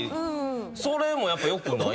それもやっぱよくない？